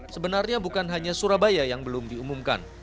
sebenarnya bukan hanya surabaya yang belum diumumkan